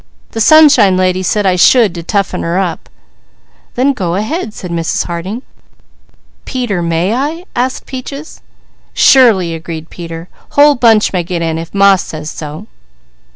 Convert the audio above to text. The Sunshine Lady said I should, to toughen her up." "Then go ahead," said Mrs. Harding. "Peter, may I?" asked Peaches. "Surely!" agreed Peter. "Whole bunch may get in if Ma says so!"